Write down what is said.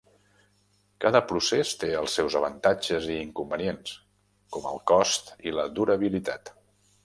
Cada procés té els seus avantatges i inconvenients, com el cost i la durabilitat.